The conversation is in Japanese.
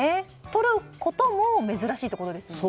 とることも珍しいっていうことですもんね。